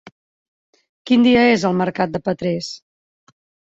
Quin dia és el mercat de Petrés?